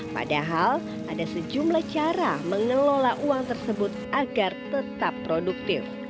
padahal ada sejumlah cara mengelola uang tersebut agar tetap produktif